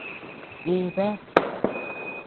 Dii bead.